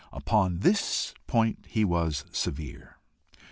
Upon this point he was severe.